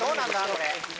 これ。